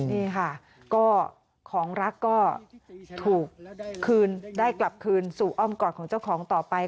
นี่ค่ะก็ของรักก็ถูกคืนได้กลับคืนสู่อ้อมกอดของเจ้าของต่อไป